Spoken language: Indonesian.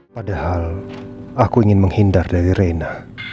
pada hal aku ingin menghindar dari reina